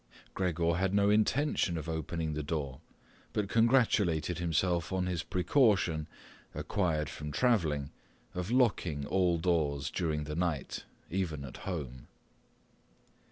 Gregor had no intention of opening the door, but congratulated himself on his precaution, acquired from travelling, of locking all doors during the night, even at home.